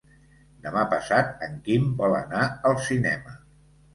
Demà passat en Quim vol anar al cinema.